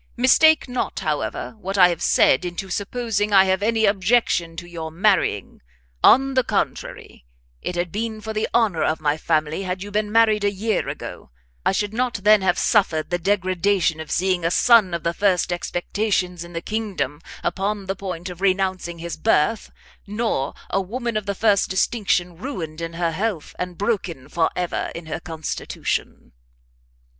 Mistake not, however, what I have said into supposing I have any objection to your marrying; on the contrary, it had been for the honour of my family had you been married a year ago I should not then have suffered the degradation of seeing a son of the first expectations in the kingdom upon the point of renouncing his birth, nor a woman of the first distinction ruined in her health, and broken for ever in her constitution."